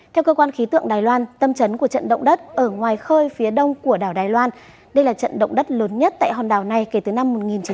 theo cơ quan khí tượng đài loan tâm trấn của trận động đất ở ngoài khơi phía đông của đảo đài loan đây là trận động đất lớn nhất tại hòn đảo này kể từ năm một nghìn chín trăm bảy mươi